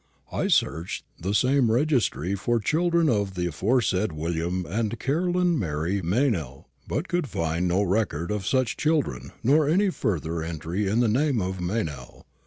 I searched the same registry for children of the aforesaid William and Caroline Mary Meynell, but could find no record of such children nor any further entry of the name of Meynell.